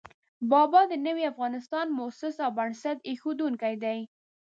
بابا د نوي افغانستان مؤسس او بنسټ اېښودونکی دی.